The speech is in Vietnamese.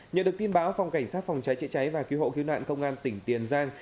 nhận được tin báo phòng cảnh sát phòng cháy chữa cháy và cứu hộ cứu nạn công an tỉnh tiền giang